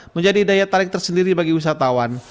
menjadi daya tarik tersendiri bagi wisatawan